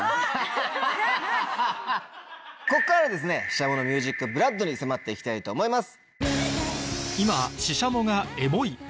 ここからはＳＨＩＳＨＡＭＯのＭＵＳＩＣＢＬＯＯＤに迫って行きたいと思います。